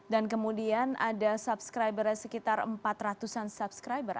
dan kemudian ada subscribernya sekitar empat ratus an subscriber